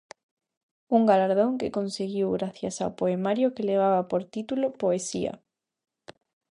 Un galardón que conseguiu gracias a un poemario que levaba por título "Poesía".